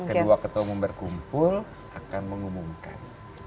kedua ketua umum berkumpul akan mengumumkan